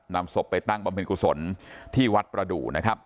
นำศพไปตั้งบำพินครุฑศลที่วัดจิตประดุ